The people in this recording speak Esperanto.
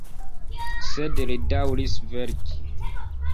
Sed li daŭris verki.